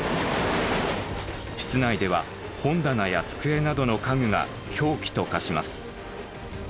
室内では本棚や机などの家具が凶器と化します。